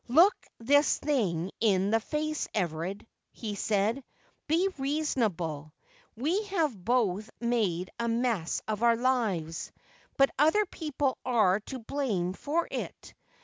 " Look this thing in the face, Everard," he said. " Be reasonable. "We have both made a mess of our lives, but other people are to blame for it.